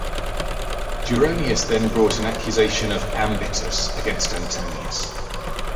Duronius then brought an accusation of "ambitus" against Antonius.